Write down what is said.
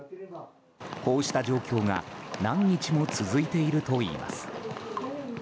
こうした状況が何日も続いているといいます。